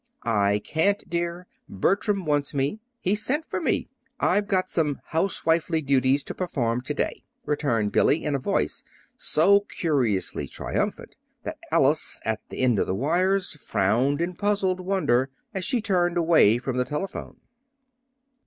"I can't, dear. Bertram wants me. He's sent for me. I've got some housewifely duties to perform to day," returned Billy, in a voice so curiously triumphant that Alice, at her end of the wires, frowned in puzzled wonder as she turned away from the telephone.